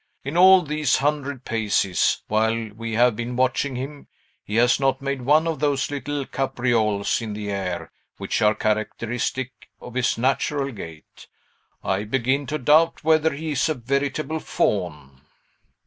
In all these hundred paces, while we have been watching him, he has not made one of those little caprioles in the air which are characteristic of his natural gait. I begin to doubt whether he is a veritable Faun."